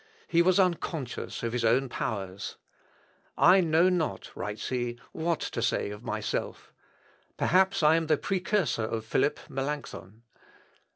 He was unconscious of his own powers. "I know not," writes he, "what to say of myself; perhaps I am the precursor of Philip (Melancthon).